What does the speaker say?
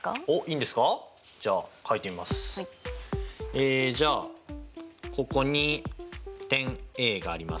えじゃあここに点Ａがあります。